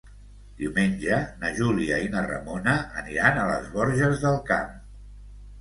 Diumenge na Júlia i na Ramona aniran a les Borges del Camp.